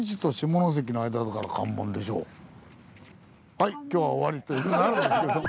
はい今日は終わり！という事になるんですけども。